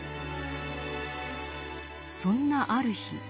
そんなある日。